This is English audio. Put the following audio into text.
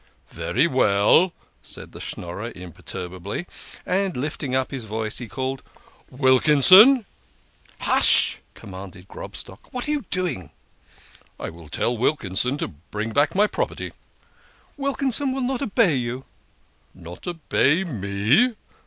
"Very well," said the Schnorrer imperturbably, and, lifting up his voice, he called " Wilkinson !"" Hush !" commanded Grobstock. " What are you doing ?"" I will tell Wilkinson to bring back my property." " Wilkinson will not obey you." " Not obey me